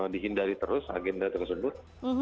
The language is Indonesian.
dihindari terus agenda tersebut